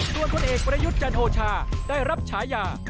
ส่วนคนเอกประยุทธ์จันโอชาได้รับฉายา